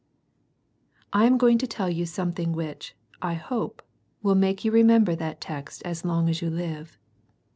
I am going to tell you something which, I hope, will make you re member that text as long as you live.